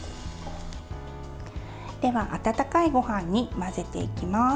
では、温かいごはんに混ぜていきます。